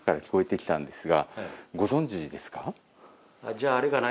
じゃああれかな？